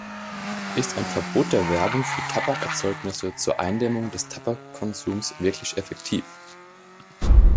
Ist ein Verbot der Werbung für Tabakerzeugnisse zur Eindämmung des Tabakkonsums wirklich effektiv?